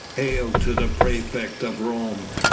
"Hail to the praefect of Rome!